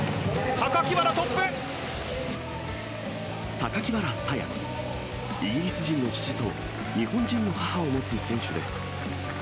榊原爽、イギリス人の父と日本人の母を持つ選手です。